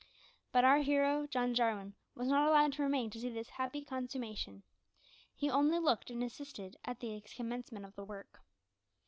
But our hero, John Jarwin, was not allowed to remain to see this happy consummation. He only looked on and assisted at the commencement of the work.